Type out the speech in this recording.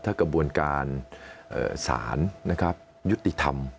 ถ้ากระบวนการสารนะครับยุติธรรม